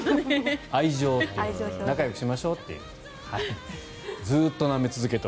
愛情、仲よくしましょうって。